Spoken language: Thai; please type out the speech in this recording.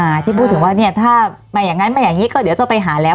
ที่พูดถึงว่าเนี่ยถ้าไม่อย่างนั้นไม่อย่างงี้ก็เดี๋ยวจะไปหาแล้ว